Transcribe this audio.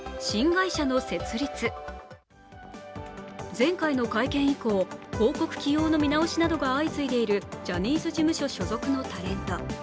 前回の会見以降、広告起用の見直しなどが相次いでいるジャニーズ事務所所属のタレント。